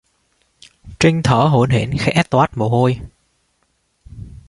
Trinh thở hổn hển khẽ toát mồ hôi